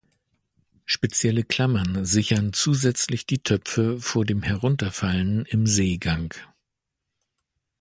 Spezielle Klammern sichern zusätzlich die Töpfe vor dem Herunterfallen im Seegang.